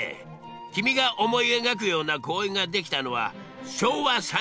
君が思い描くような公園ができたのは昭和３０年代。